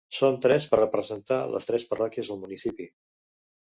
Són tres per representar les tres parròquies al municipi.